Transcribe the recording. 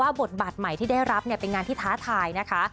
บทบาทใหม่ที่ได้รับเป็นงานที่ท้าทายนะคะ